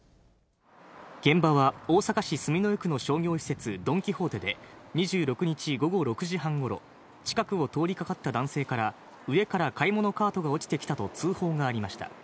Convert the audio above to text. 現場は大阪市住之江区の商業施設、ドン・キホーテで、２６日午後６時半ごろ、近くを通りかかった男性から、上から買い物カートが落ちてきたと通報がありました。